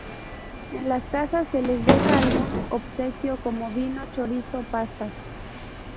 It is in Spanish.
En las casas se les deja algún obsequio, como vino, chorizo, pastas...